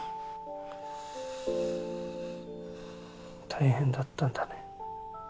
大変だったんだね。